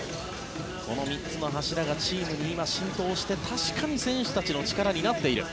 この３つの柱がチームに今、浸透して確かに選手たちの力になっている。